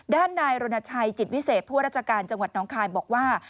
ด้านนายรณชัยจิตวิเศษผู้ราชการจังหวัดน้องคายบอกว่า